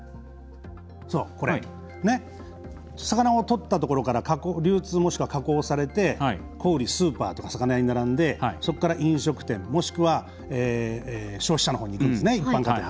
魚をとったところから流通、もしくは加工され小売、スーパーとか魚屋に並んでそこから飲食店、もしくは消費者のほうにいくんですね。